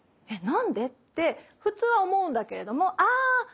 「え何で？」って普通は思うんだけれどもああ